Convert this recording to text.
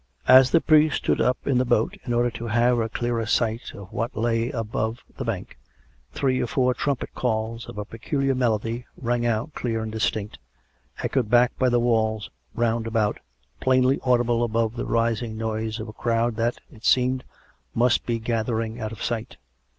As the priest stood up in the boat in order to have a clearer sight of what lay above the bank, three or four trumpet calls of a peculiar melody, rang out clear and distinct, echoed back by the walls round about, plainly audible above the rising noise of a crowd that, it seemed, must be gathering out of sight.